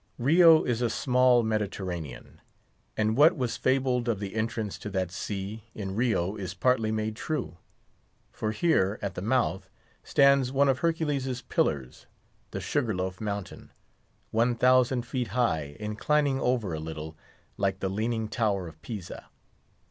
Rio is a small Mediterranean; and what was fabled of the entrance to that sea, in Rio is partly made true; for here, at the mouth, stands one of Hercules' Pillars, the Sugar Loaf Mountain, one thousand feet high, inclining over a little, like the Leaning Tower of Pisa.